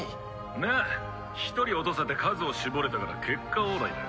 まあ１人落とせて数を絞れたから結果オーライだ。